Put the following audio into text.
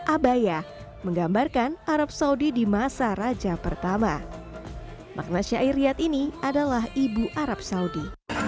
abaya menggambarkan arab saudi di masa raja pertama makna syairiyat ini adalah ibu arab saudi